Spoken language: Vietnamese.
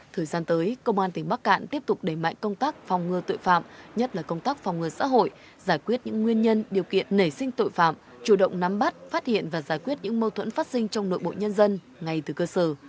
thời gian tới công an tỉnh bắc cạn tiếp tục đẩy mạnh công tác phòng ngừa tội phạm nhất là công tác phòng ngừa xã hội giải quyết những nguyên nhân điều kiện nảy sinh tội phạm chủ động nắm bắt phát hiện và giải quyết những mâu thuẫn phát sinh trong nội bộ nhân dân ngay từ cơ sở